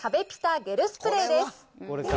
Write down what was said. ゲルスプレーです。